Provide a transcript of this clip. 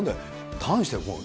ターンしてる、こう。